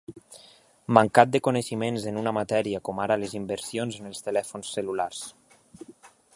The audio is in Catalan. Mancat de coneixements en una matèria com ara les inversions en els telèfons cel·lulars.